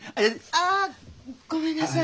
あっごめんなさい。